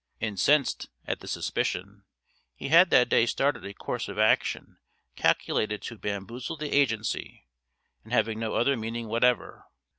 Incensed at the suspicion, he had that day started a course of action calculated to bamboozle the agency, and having no other meaning whatever.